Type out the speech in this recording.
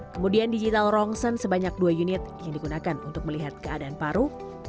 kemudian digital rongsen sebanyak dua unit yang digunakan untuk melihat keadaan paru